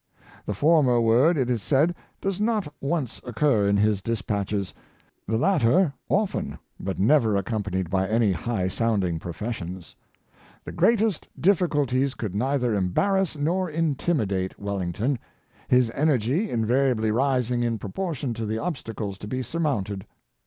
The former word, it is said, does not once occur in his dispatches, the latter often, but never accompanied by any high sounding professions. The greatest difficulties could neither embarrass nor intimi date Wellington; his energy invariably rising in pro portion to the obstacles to be surmounted.